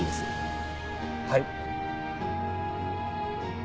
はい。